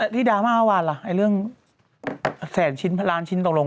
ที่ดามากว่าล่ะเรื่องลานชิ้นต่ำลง